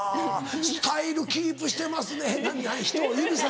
スタイルキープしてますね。